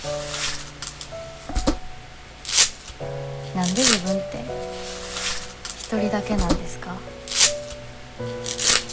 何で自分って一人だけなんですか？